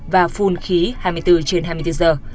và phun khí hai mươi bốn trên hai mươi bốn giờ